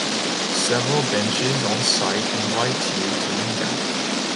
Several benches on site invite you to linger.